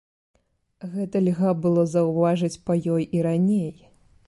Гэта льга было заўважыць па ёй і раней.